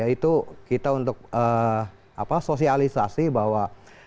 itu kita untuk sosialisasi bahwa